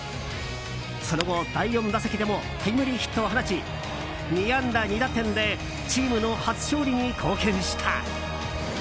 その後、第４打席でもタイムリーヒットを放ち２安打２打点でチームの初勝利に貢献した。